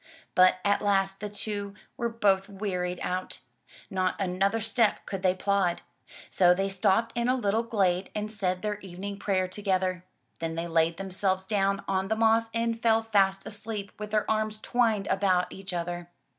But at last the two were both wearied out. Not another step could they plod. So they stopped in a little glade and said their evening prayer together. Then they laid themselves down on the moss and fell fast asleep with their arms twined about each other.